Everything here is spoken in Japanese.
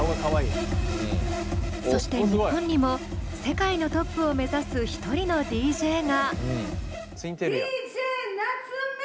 そして日本にも世界のトップを目指す１人のＤＪが。